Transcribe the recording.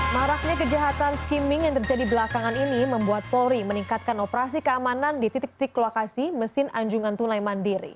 maraknya kejahatan skimming yang terjadi belakangan ini membuat polri meningkatkan operasi keamanan di titik titik lokasi mesin anjungan tunai mandiri